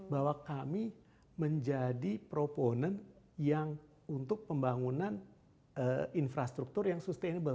bahwa kami menjadi proponan yang untuk pembangunan infrastruktur yang sustainable